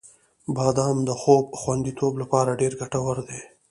• بادام د خوب خوندیتوب لپاره ډېر ګټور دی.